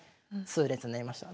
痛烈になりました。